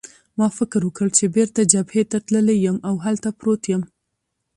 ما فکر وکړ چې بېرته جبهې ته تللی یم او هلته پروت یم.